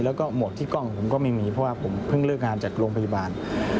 แล้วก็หมดที่กล้องผมก็ไม่มีเพราะว่าผมเพิ่งเลิกงานจากโรงพยาบาล